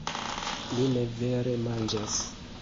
Mi ne vere manĝas